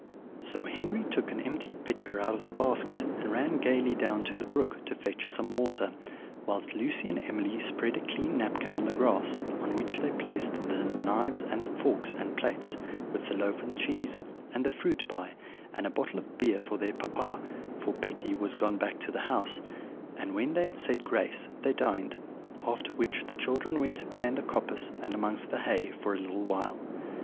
So Henry took an empty pitcher out of the basket, and ran gaily down to the brook to fetch some water, whilst Lucy and Emily spread a clean napkin on the grass, on which they placed the knives and forks and plates, with the loaf and cheese, and the fruit pie, and a bottle of beer for their papa; for Betty was gone back to the house; and when they had said grace, they dined: after which the children went to play in the coppice and amongst the hay, for a little while.